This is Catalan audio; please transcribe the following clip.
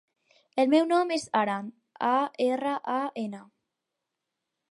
El meu nom és Aran: a, erra, a, ena.